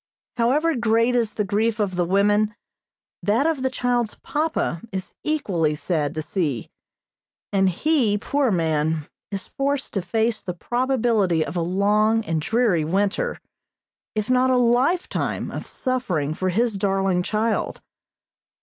However great is the grief of the women, that of the child's papa is equally sad to see, and he, poor man, is forced to face the probability of a long and dreary winter, if not a lifetime of suffering for his darling child.